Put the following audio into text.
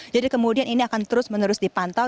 jadi kemudian ini akan terus menerus dipantau